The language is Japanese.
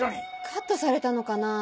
カットされたのかなぁ。